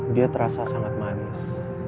dia terasa sangat manis